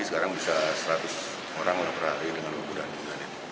sekarang bisa seratus orang perhari dengan kemudahan